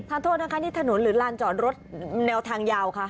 โทษนะคะนี่ถนนหรือลานจอดรถแนวทางยาวคะ